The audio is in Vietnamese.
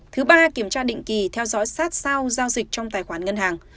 thứ ba kiểm tra định kỳ theo dõi sát sao giao dịch trong tài khoản ngân hàng